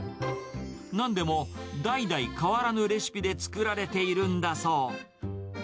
なんでも、代々変わらぬレシピで作られているんだそう。